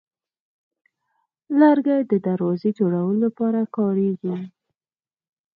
لرګی د دروازې جوړولو لپاره کارېږي.